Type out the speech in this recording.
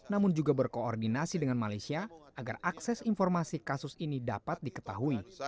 namun juga berkoordinasi dengan malaysia agar akses informasi kasus ini dapat diketahui